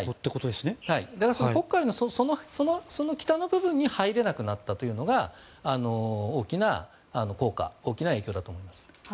黒海、その北の部分に入れなくなったというのが大きな影響だと思います。